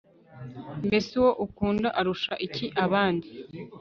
mbese uwo ukunda arusha iki abandi